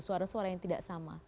suara suara yang tidak sama